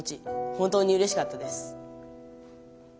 本当にうれしかったです」。